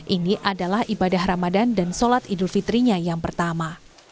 ini adalah ibadah ramadan dan sholat idul fitrinya yang pertama